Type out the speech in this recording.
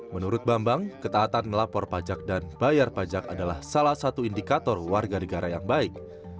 menurut bambang ketaatan melapor pajak dan bayar pajak adalah salah satu indikator warga negara yang baik